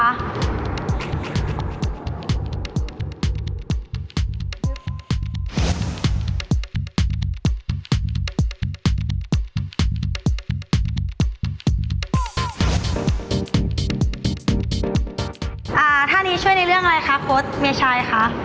ท่านี้ช่วยในเรื่องอะไรคะโค้ดเมียชัยคะ